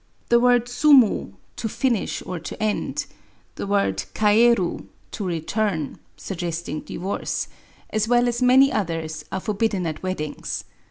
The word Mwir, *<to finish, or '*to end; the word kairm^ « to return, (suggesting diTorce), as well as many others, are feihidden at weddings.